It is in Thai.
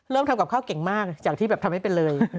ทำกับข้าวเก่งมากจากที่แบบทำให้เป็นเลย